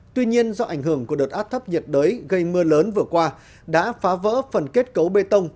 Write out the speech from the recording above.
tuy nhiên do ảnh hưởng của đợt áp thấp nhiệt đới gây mưa lớn vừa qua đã phá vỡ phần kết cấu bê tông